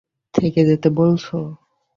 থেকে যেতে বলছ?